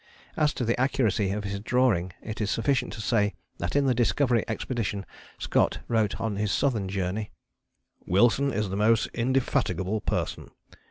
As to the accuracy of his drawing it is sufficient to say that in the Discovery Expedition Scott wrote on his Southern Journey: "Wilson is the most indefatigable person.